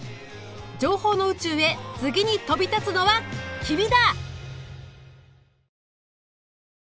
情報の宇宙へ次に飛び立つのは君だ！